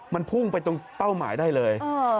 มันพุ่งไปตรงเป้าหมายได้เลย